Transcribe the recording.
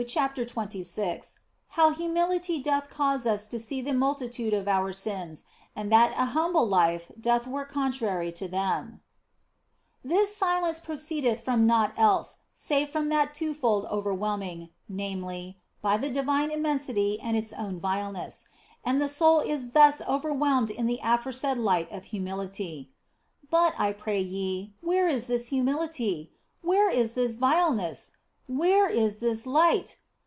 CHAPTER XXVI HOW HUMILITY DOTH CAUSE US TO SEE THE MULTI TUDE OF OUR SINS AND THAT AN HUMBLE LIFE DOTH WORK CONTRARY TO THEM THIS silence proceedeth from naught else save from that twofold overwhelming, namely, by the divine immensity and its own vileness ; and the soul is thus overwhelmed in the aforesaid light of humility. But, I pray ye, where is this humility ? Where is this vileness ? Where is this light